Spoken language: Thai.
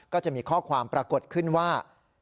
ก็จะมีข้อความปรากฏขึ้นว่า